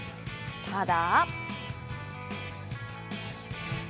ただ。